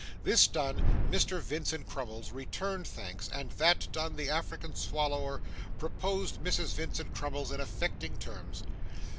This done, Mr. Vincent Crummles returned thanks, and that done, the African Swallower proposed Mrs. Vincent Crummles, in affecting terms.